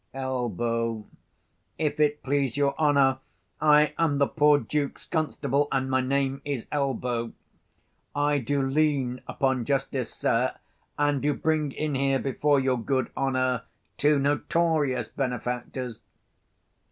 45 Elb. If it please your honour, I am the poor Duke's constable, and my name is Elbow: I do lean upon justice, sir, and do bring in here before your good honour two notorious benefactors.